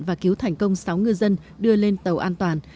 và cứu thành công sáu ngư dân đưa lên tàu an toàn